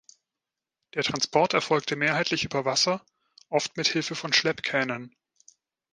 Der Transport erfolgte mehrheitlich über Wasser, oft mithilfe von Schleppkähnen.